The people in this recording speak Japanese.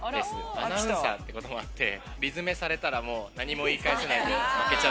アナウンサーっていうこともあって、理詰めされたら、もう何も言い返せないので。